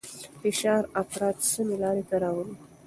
فشار افراد سمې لارې ته راولي.